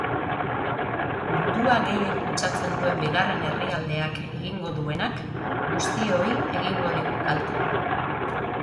Mundua gehien kutsatzen duen bigarren herrialdeak egingo duenak guztioi egingo digu kalte.